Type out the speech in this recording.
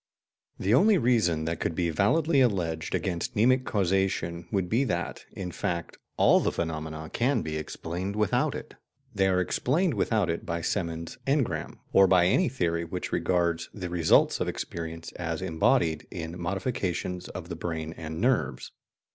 The only reason that could be validly alleged against mnemic causation would be that, in fact, all the phenomena can be explained without it. They are explained without it by Semon's "engram," or by any theory which regards the results of experience as embodied in modifications of the brain and nerves.